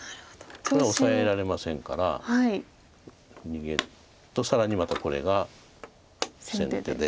これオサえられませんから逃げると更にまたこれが先手で。